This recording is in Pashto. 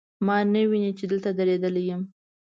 ما نه ویني، چې دلته دریدلی یم